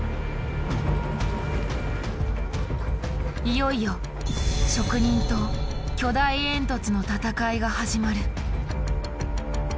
いよいよ職人と巨大煙突の戦いが始まる。